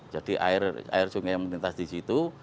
jadi air sungai yang melintas di situ